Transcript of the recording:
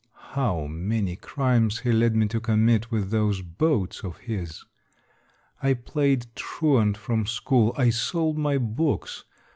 How many crimes he led me to commit with those boats of his ! I played truant from school, I sold my books.